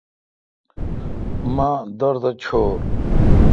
مہ دورتھ چھور۔